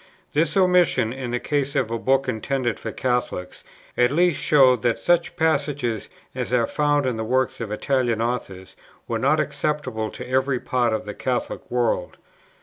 This omission, in the case of a book intended for Catholics, at least showed that such passages as are found in the works of Italian Authors were not acceptable to every part of the Catholic world.